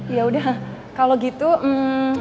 yaudah kalau gitu hmm